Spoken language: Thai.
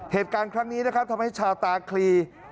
เหตุการณ์ครั้งนี้นะครับทำให้ชาวตาคลี